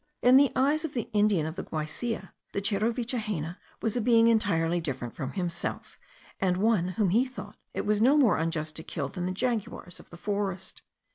In the eyes of the Indian of the Guaisia, the Cheruvichahena was a being entirely different from himself; and one whom he thought it was no more unjust to kill than the jaguars of the forest.